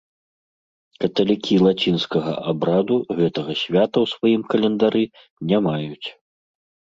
Каталікі лацінскага абраду гэтага свята ў сваім календары не маюць.